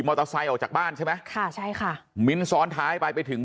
ออกจากบ้านใช่ไหมค่ะใช่ค่ะมิ้นซ้อนท้ายไปไปถึง